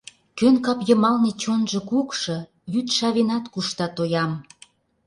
Кӧн кап йымалне чонжо кукшо, Вӱд шавенат кушта тоям.